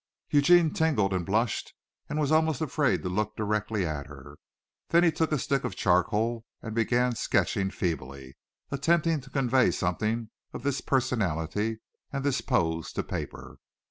Eugene tingled and blushed and was almost afraid to look directly at her. Then he took a stick of charcoal and began sketching feebly, attempting to convey something of this personality and this pose to paper.